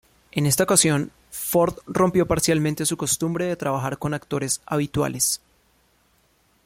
En esta ocasión, Ford rompió parcialmente su costumbre de trabajar con actores habituales.